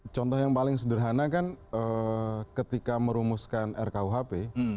contoh yang paling sederhana kan ketika merumuskan rkuhp